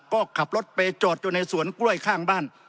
ก็ขับรถไปจอดอยู่ในสวนกล้วยข้างบ้าน